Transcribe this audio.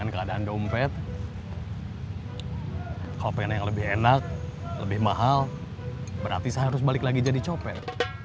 kalau pengen yang lebih enak lebih mahal berarti saya harus balik lagi jadi copet